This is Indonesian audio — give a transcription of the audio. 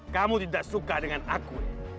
kamu tidak suka dengan aku